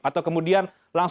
atau kemudian langsung menyalip